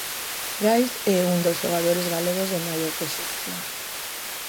Brais é un dos xogadores galegos de maior proxección.